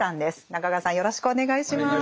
中川さんよろしくお願いします。